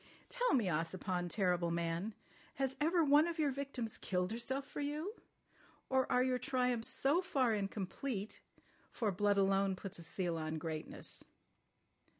"Tell me, Ossipon, terrible man, has ever one of your victims killed herself for you—or are your triumphs so far incomplete—for blood alone puts a seal on greatness?